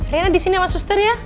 rena disini sama suster ya